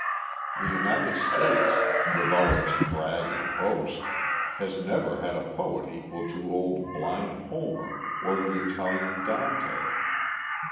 The United States, with all its brag and boast, has never had a poet equal to old blind Homer or the Italian Dante.